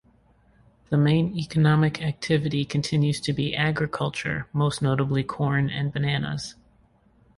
The main economic activity continues to be agriculture, most notably corn and bananas.